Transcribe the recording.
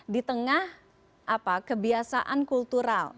di tengah kebiasaan kultural